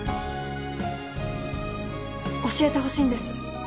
教えてほしいんです